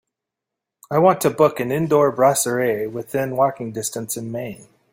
I want to book an indoor brasserie within walking distance in Maine.